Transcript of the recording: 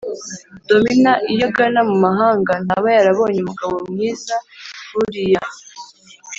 Domina iyo agana mu mahanga ntaba yarabonye umugabo mwiza nkuriya